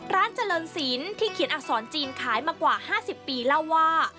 ร้านเจริญศิลป์ที่เขียนอักษรจีนขายมากว่า๕๐ปีเล่าว่า